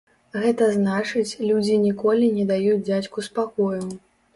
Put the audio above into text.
Гэта значыць, людзі ніколі не даюць дзядзьку спакою.